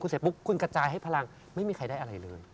เสร็จปุ๊บคุณกระจายให้พลังไม่มีใครได้อะไรเลย